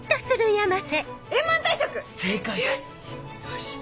よし！